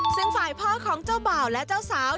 ซึ่งฝ่ายพ่อของเจ้าบ่าวและเจ้าสาว